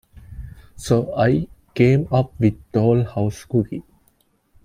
So I came up with Toll House cookie.